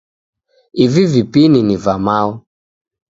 Ivi vipini ni va Mao.